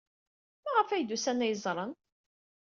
Maɣef ay d-usan ad iyi-ẓren?